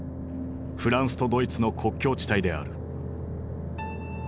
フランスとドイツの国境地帯である。